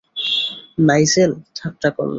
Nigel, ঠাট্টা করলাম।